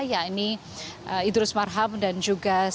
ya ini idrus marham dan juga sebatik